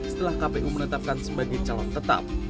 setelah kpu menetapkan sebagai calon tetap